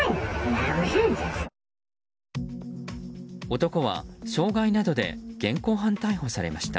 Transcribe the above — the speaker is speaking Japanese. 男は傷害などで現行犯逮捕されました。